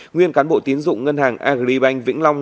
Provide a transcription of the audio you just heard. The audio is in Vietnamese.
nguyên cán bộ tiến dụng ngân hàng agribank vĩnh long